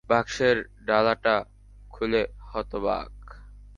বাক্সের ডালাটা খুলে হতবাক।